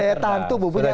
punya daya tahan tubuh